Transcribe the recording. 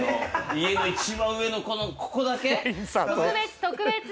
家の一番上のここだけ？